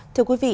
thưa quý vị